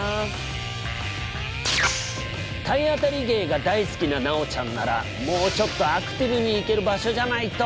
体当たり芸が大好きな奈央ちゃんならもうちょっとアクティブにいける場所じゃないと！